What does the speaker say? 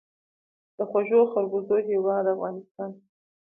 د خوږو خربوزو هیواد افغانستان.